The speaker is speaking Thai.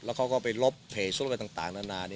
เขาก็ไปลบเพจอะไรต่างนานา